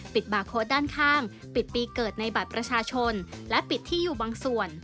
บาร์โค้ดด้านข้างปิดปีเกิดในบัตรประชาชนและปิดที่อยู่บางส่วน